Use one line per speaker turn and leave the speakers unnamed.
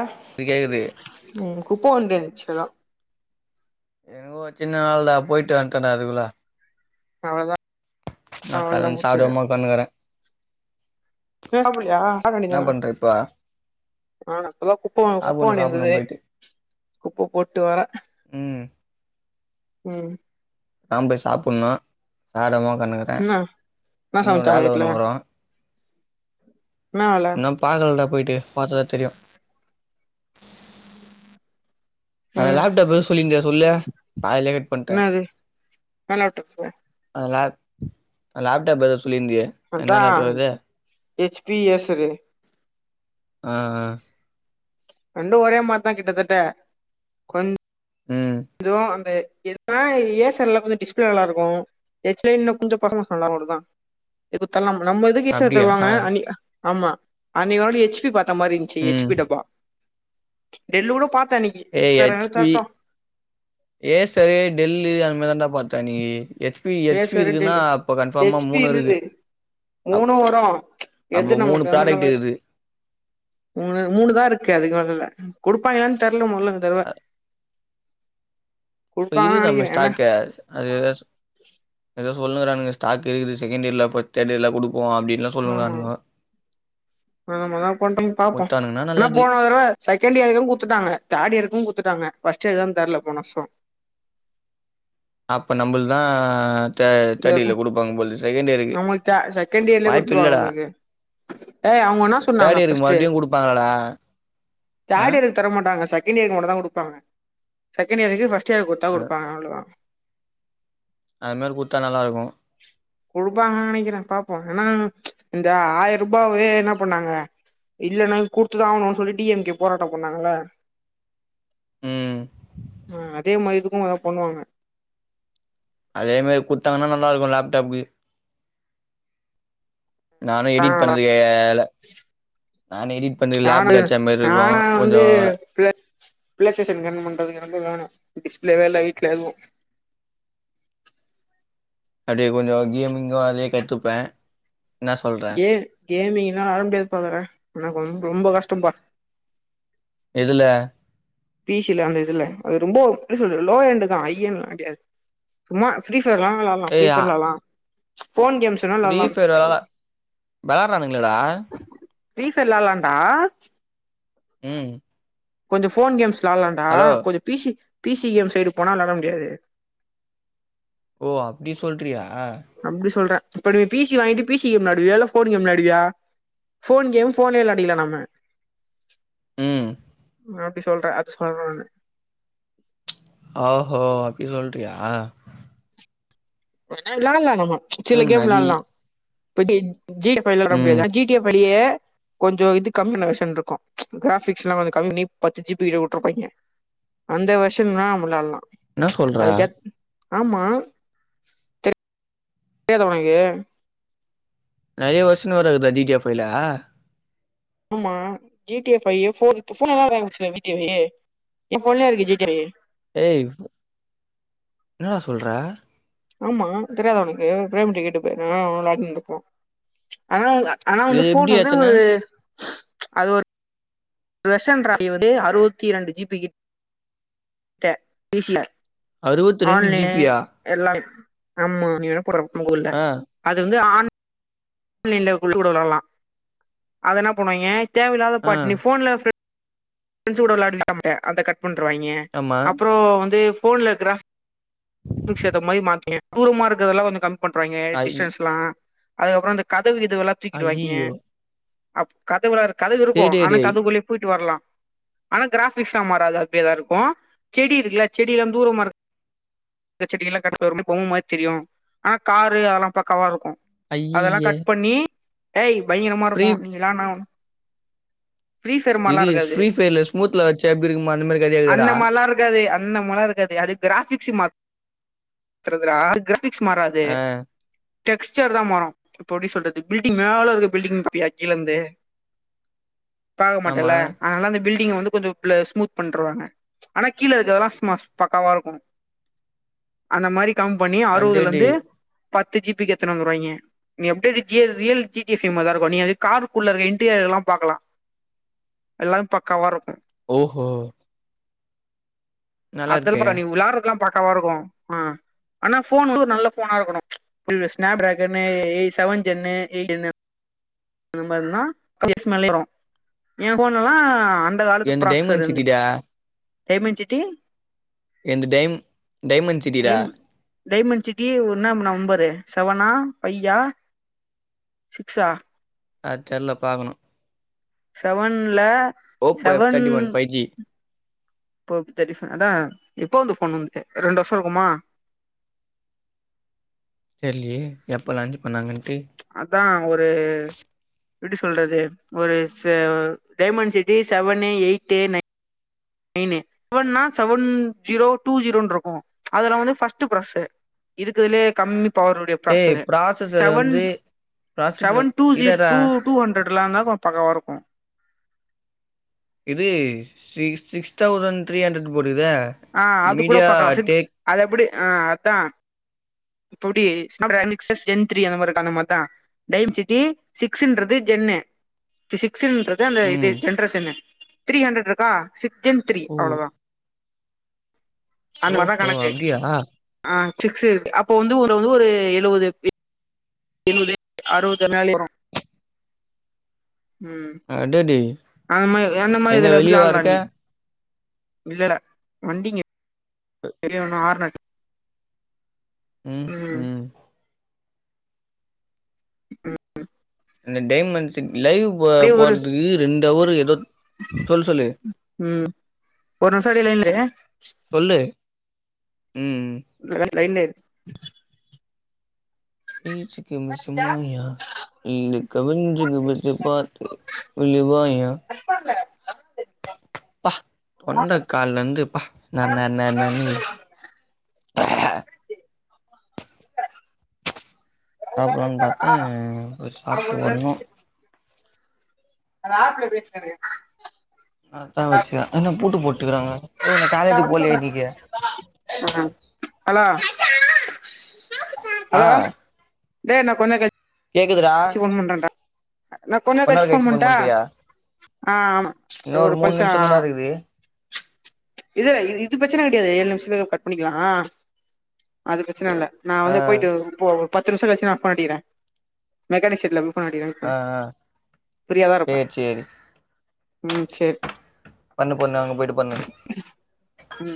ஆ
கேக்குது
ம் குப்ப வண்டி ச்சலா
என்னவோ சின்ன நாள் தா போயிட்டு வன்ட்ட டா அதுக்குள்ள
அவ்ளோதா
ந
அவ்ளோதா
காலன்
முடிச்சது
சாப்டாம ஒக்கான்ருக்கற
நீ சாப்பலயா சாப்ட வேண்டியது தான
பண்ற இப்ப
ஆ இப்ப தா குப்ப வ குப்ப
சாப்புட்ணு
வண்டி வந்தது
சாப்புட்ணு போயிட்டு
குப்ப போட்டு வர
ம்
ம்
நா போய் சாப்புனு சாரமா பண்ணுற
என்ன என்ன
இன்னொரு
சமச்சாங்க
ஆள்
வீட்ல
ஒன்னு வரு
என்ன வேல
இன்னு பாக்கல டா போயிட்டு பாத்ததா தெரியு ஆ லேப்டாப் சொல்லிருந்தியே சொல்லு பாதிலே கட் பண்ட்டே
இன்னாது மேலோட்ட [unintelligible]
அ லேப்டாப் எது ஸ் சொல்லிருந்தியே என்ன லேப்டாப் அது
எச் பி எஸ் ரே
ஆ
ரெண்டும் ஒரே மாரி தா கிட்டத்தட்ட கொஞ்
ம்
ரோ அந்த இப்பல்லாம் ஏசர்ல கொஞ்சம் டிஸ்பிளே நல்லா இருக்கும் ஹெச்டில கொஞ்சம் படம் நல்லா ஓடுதா இதுக்கெல்லாம் நம்ம இதுக்கு ஏசர்
அப்டியா
தருவாங்க அன்னி ஆமா அன்னிக்கு ஒரு நாள் எச் பி பா அந்த மாரி இருந்துச்சு
ம்
எச்பி டப்பா சச்சு டெல்லூ கூட பாத்த இத்தனைக்கு
ஏ
எத்தர
ஹெச் பி
சத்த
ஏசரு டெல்லு அந்தமாரி தான்ட பாத்த நீ H P H P
Acer
இருக்குன்னா
டெல்
அப்ப கன்ஃபார்மா
ஹெச்பில
மூணு இருக்கு
இருந்தது
அப்
மூணு வரும்
அப்போ
எது
மூணு ப்ராடக்ட்
நமக்கு
இருக்குது
மூணு மூணுதான் இருக்கு அதுக்குமேல இல்ல குடுப்பாங்கலா தெரி முல்லங்க தேவ்
இப்ப இருக்குதாமே
என்ன
ஸ்டாக்க அது ஏதோ சொல்லுனுருக்காங்க ஸ்டாக் செகண்ட் இயர்ல தேடியர் ல கொடு
ஆமா அதான் பண்றாங்க பாப்போம்
குடுத்தானுங்கன்னா
ஏனா
நல்லது
போனத செகண்ட் இயருக்கும் குத்துட்டாங்க தேர்ட் இயருக்கும் குத்துட்டாங்க ஃப்ஸ்ட் இயர் தெர்ல போன வருசம்
அப்ப நம்புள்து தான்
இந்த வருசம் ஆமா செகண்ட் இயர்ல
வாய்ப்பு
குடுத்துருவாங்க
இல்லடா
நம்முளுக்கு அ அவுங்க என்னா சொன்னாங்க
தேர்ட் இயருக்கு
ஃப்ஸ்ட்
மறுபடியு குடுப்பாங்களாடா ஆ
தேர்ட் இயர்க்கு தர மாட்டாங்க செ சீனியர்க்கு மட்டு தான் குடுப்பாங்க செகண்ட் இயருக்கு ஃபஸ்ட் அட்சயாக்கு கொடுத்தா குடுப்பாங்க அவ்ளோதா
அது மாரி குடுத்தா நல்லா இருக்கும்
குடுப்பாங்க நனைக்கிறேன் பாப்போம் ஏன்னா ம்ச் இந்த ஆயிரம் ரூபாவே என்னா பண்ணாங்க இல்லன்னா குடுத்துதான் ஆகணும்ன்னு சொல்லி டிஎம்கே போராட்டம் பண்ணாங்கள
ம்
ஆ அதே மாரி அதுக்கும் பண்ணுவாங்க
அதே மாரி குடுத்தாங்கன்னா நல்லா இருக்கும் லேப்டாப்பு நானும் எடிட்
அதனால
பண்ணலேயே வேல நான் எடிட் பண்ணற லேப்பு
நானு
கடைச்சா நல்லா இருக்கும்
நானா வந்து
கொஞ்சம்
பிளே பிளே ஸ்டேஷன் ரன் பண்றதுக்கு ரொம்ப வேணும் டிஸ்பிளேவே இல்ல வீட்ல எதுவும்
அப்பிடியே கொஞ்சம் கேமிங்கும் அதயே கத்துப்ப
ஏ ஏமி நா வாரமுடியாது பாக்குற எனக்கு ரொ ரொம்ப கஷ்டம்ப்பா
எதுல
பி சி ல அந்த இதுல அது ரொம்போ எப்டி சொல்றது லோ எண்ட் தா ஹை எண்ட்லா கடையாது, சும்மா ஃப்ரி ஃபயர்லா விளாட்லா ஃப்ரி ஃபயர் விளாட்லா
ஃப்ரீஃபயரா விளாட்றானுங்களேடா
ஃபிரீ ஃபயர் விளாட்லாண்டா
ம்
கொஞ்சோ ஃபோன் கேம்ஸ் விளாட்லாண்டா
ஹலோ
கொஞ்சோ P C P C game side போனா விளாட முடியாது
ஓ அப்டி சொல்றியா
அப்டி சொல்ற இப்ப நீ பி சி வாங்கிட்டு பி சி கேம் வெளையாடுவியா இல்ல ஃபோன் கேம் வெளையாடுவியா ஃபோன் கேம் ஃபோன்லே வெளயாடிக்லா நம்ம
ம்
நா அப்டி சொல்ற அது சொல்ற நானு
ஓஹோ அப்டி சொல்றியா?
ஆனா விளாட்லா நம்ம சில
ம்
கேம்
நரி
விளாட்லா இப்பதிக்கு ஜீ ஃபைவ்லா வெளையாட முடியாது
ம்
ஆனா ஜீ டி எஃப் லியே கொஞ்சோ இது கம்மியான வர்ஷன் இருக்கு கிராபிக்ஸ் எல்லா கொஞ்சோ கம்மி பண்ணி பத்து ஜிபி கிட்ட வுட்ருப்பாங்க அந்த வர்ஷன்னா நம்ம விளாட்லா
என்ன சொல்ற
அதுக்கேத் ஆமா தெரியாத உனக்கு
நெறைய வர்ஷன் வருதா டி டி எஃப் ஃபைவ்ல
ஆமா ஜி டி எஃப் ஐ போ ஃபோன் எல்லா வர ஆரம்பிச்சிட்டு ஜீ டி எஃப் ஐ எ ஃபோன்லே இருக்கு ஜி டி ஐ
ஏய் என்னடா சொல்ற
ஆமா தெரியாதா உனக்கு பிரேம் கிட்ட கேட்டு பாரு நானு அவனு வெளயாட்னு இருக்கோ ஆனா ஆனா வந்து
இது எப்டி
ஃபோன் வந்து
ஏத்துன
ஒரு அது ஒரு வர்ஷன்ரா இது வந்து அறுவத்தி ரெண்டு ஜிபி கிட்ட பி சி ல
அறுவத்தி ரெண்டு ஜிபியா
ஆமாங்ய ல்ல அது வந்து ஆன் லைன்ல குழு கூட வெளாடலா அது என்ன பண்ணுவாய்ங்க தேவையில்லாத
ஆ
பாட் நீ ஃபோன்ல ஃபிரண்ட்ஸ் கூட விளாட மாட்ட அந்த கட் பண்ருவாய்ங்க
ஆமா
அப்றோ வந்து ஃபோன்ல இருக்கற செட்டிங்ஸ் கேத்த மாரி [unintelligible] தூரமா இருக்கிறது எல்லா கொஞ்ச கமி பண்றாங்க
ஐய்
டிஸ்டன்ஸ்லா அதுக்கப்புறோ இந்த க [unintelligible] இதுவெல்லா துக்கிடுவாங்க
ஐய்யய்யோ
அப் கத்த கூடாது கதவு இருக்கு
டேய் டேய்
ஆனா
டேய்
கதவு வழியா போயிட்டு வர்லா ஆனா கிராஃபிக்ஸ் எல்லா மாறாது அப்டியேதா இருக்கு செடி இருக்குல்ல செடி எல்லா தூரமா இரு செடி எல்லாம் [unintelligible] குகை மாதிரி தெரியும் ஆனா காரு அதெல்லாம் பக்கவா இருக்கு அதெல்லா
ஐய்யய்ய
கட் பண்ணி ஏய் பயங்கரமா
ஃப்ரீ
இருக்கு நீங்க எல்லா நா ஃப்ரீ ஃபயர் மாரியெல்லா இருக்காது
ஸ்ரீ பையர்ல ஸ்மூத்துல வேச்சா எப்டி இருக்குமோ அந்த மாரி கதயா இருக்குதேடா
ன்ன மழை இருக்காது அது கிராபிக்ஸ் மாத்துறது டா எத்திக்ஸ் மாறாது
ஆ
டெக்ஸ்டர்தா மாறு இப்போ எப்பிடி சொல்றது பில்டிங் மேல இருக்க பில்டிங் பாத்தியா கீழந்து பாக்க மாட்ட
ஆமா
இல்ல அதனால பில்டிங் வந்து கொஞ்சோ ஸ்மூத் பண்ருவாங்க ஆனா கீழ இருக்கிறதெல்லா சும்மா பக்காவா இருக்கு அந்த மாரி கம்பெனி அறுவதுல
அடேய்
இருந்து
டேய்
பத்து ஜிபிக்கு எத்தன வந்துருவாய்ங்க நீ அப்பிடியே ஜியல் real G T F V மாரிதா இருக்கு நீங்க அந்த காருக்குள்ள இருக்கிற இன்டீரியர் எல்லா பாக்கலா எல்லா பக்காவா இருக்கு
ஓஹோ நல்லா இருக்கே
அத்தலப்பா நீ வெளாடுறதுலா பக்கவா இருக்கு ம் ஆனா போன் வந்து நல்ல போனா இருக்கணு ப்ச் புரில ஸ்னாப் டிராகன்னு செவன் ஜென்னு எய்ட் ஜென்னு அந்த மாறினா கம்மி எக்ஸ் மேலயே வரு எ போன்ல எல்லா
எந்து டைமண்ட் சிட்டிடா
டைமண்ட் சிட்டி
எந்த டைமண் டைமண்ட் சிட்டிடா
டைம் டைமண்ட் சிட்டி ஒன்னாம் நெம்பரு செவனா ஃபைவா சிக்ஸா
அது தெர்ல பாக்கணு
செவன்ல
Oppo F thirty one five G
Oppo thirty five அதா எப்போ வந்த போன் உன்து ஒரு ரெண்டு வருஷோ இருக்குமா
தெர்லயேஸஎப்ப லாஞ்ச் பண்ணாங்கன்னு
ப்ச் அதா ஒரு எப்படி சொல்றது ஒரு செ diamond city seven eight nine மெய்னு இப்பஸநா செவன் ஜீரோ டூ ஜீரோனு இருக்கு ப்ச் அதெல்லா வந்து ப்ர்ஸ்ட் ப்ராசஸ் இருக்குறதுலயே கம்மி பவருடைய
ஏய்
ப்ராசெரே
ப்ராசஸர்
செவன்
வந்து ப்ராசஸர்
செவன் டூ ஜீரோ
இருடா
டூ டூ ஹண்ட்ரட் டிலாம்ந்தா பக்கவா இருக்கும்
இது சி சிக்ஸ் தௌசண்ட் த்ரீ ஹண்ட்ரட் போ
ஆ அது கூட பக்கா சிட் அது எப்டி ஆ அத்தான் ப்டி [unintelligible] ஜன் திரி அந்த மார்தான் டைம் சிட்டி சிக்ஸ்டுறது ஜென்னு பிசிக் ஸ்ன்றதது அந்த இது
ம்
ஜன்டிரஸனு சன் த்ரீ ஹண்ட்ரட் இருக்கா சிக்ஸ் ஜென்த் திரி
ஓ
அவ்ளோதா அந்த மர்தான்
ஓஹோ
கணக்கு
அப்டியா
ஆ சிக்ஸ் சு ருக் இப்போ வந்து ஒரு வந்து ஒரு எழுவது ஏழாவது இம் பி ஆருவது ஜனாளி
அடடே
ங்த மாரி அந்த மாதிரி
எங்க
இதுல வந்து
வெளியவா
லால்
இருக்க
ணி இல்லடா வண்டிங்க தெரியணும்னா ஆர்ன் அட்
உம்
ம்
உம்
ம்
அந்த டைமண்ட்ஸின் லைவ் போ
ஒரு
போறதுக்கு ரெண்டு ஹவர் ஏதோ சொல்லு சொல்லு
ம் ஒரு நிமிஷோ அப்டியே லைன்ல
சொல்லு ம்
லைன்லே ர்
ஈஸ்ச்சுக்கு முசு மாயா ந்த கவிஞ்சது மிர்து பார்த்து விழுவாயா
பாக்லே
பா தொண்டைக்கால்ல இருந்து ப்பா நந நநன்னு இக் சாப்பலானு பாத்தேன் போச்சு சாப்ட்டு வர்ன்னு
அது ஆப்ல பேசுனது
அ தா
அந்த ஆப்
வச்சான் என்ன பூட்டு போட்டுக்கறாங் யோ நா காலேஜ்
நான் வந்து
போலயா
சொல்றேன்
இன்னைக்கு
ஹலோ
ஆ
டே நா கொஞ் நேர கழி
கேக்குதுடா
ச்சு ஃபோன் பண்றன்டா நா கொஞ்ச நேர கழிச்சு ஃபோன் பண்ட்டா ஆ ஆமா அது
இன்னு
ஒரு
மூணு
ப்ரச்சனா
நிமிஷ தான்டா இருக்குது
இது இது பிரச்சன கெடையாது இது ந கட் பண்ணிக்கலா அது ப்ரச்சன இல்ல நா
ஆ
வந்து போயிட்டு ப்போ பத் திரிச்சில வெச்சு நா ஃபோன் அடிக்கிறே மெக்கானிக் ஷெட்ல ஃபோன் அடிக்கற இப்ப
ஆ ஆ
ஃபிரியாதா இருப்ப
சேரி சேரி
ம் சேர்
பண்ணு பண்ணு அங்க போய்ட்டு பண்ணு
ம்